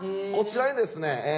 こちらにですね